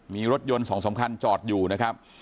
มีรถยนต์๒๓คันจอดอยู่นะครับ